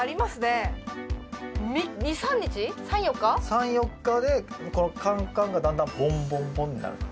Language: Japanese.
３４日でこのカンカンがだんだんボンボンボンになるんだって。